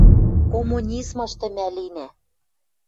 Коммунизмышты мӓ линӓ —